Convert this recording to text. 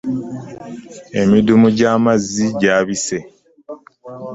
Emiddumu gy'amazzi gyabise.